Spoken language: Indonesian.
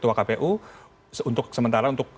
bahwa akan ada pemikiran bahwa akan mengganti ketua kpu